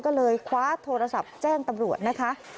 ก็เลยคว้าโทรศัพท์แจ้งตำรวจนะคะ